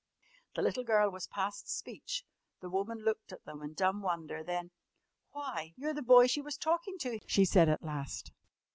The little girl was past speech. The woman looked at them in dumb wonder. Then: "Why, you're the boy she was talkin' to," she said at last.